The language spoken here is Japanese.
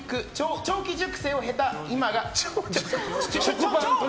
長期熟成を経た。